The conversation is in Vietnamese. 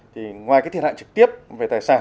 thì ngoài cái thiệt hại trực tiếp về tài sản